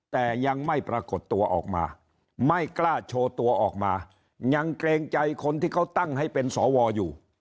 แต่ยังไม่ปรากฏตัวออกมาไม่กล้าโชว์ตัวออกมายังเกรงใจคนที่เขาตั้งให้เป็นสวอยู่